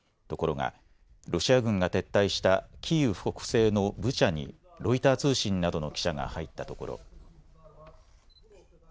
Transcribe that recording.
ところが、ロシア軍が撤退したキーウ北西のブチャにロイター通信などの記者が入ったところ。